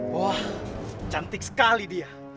wah cantik sekali dia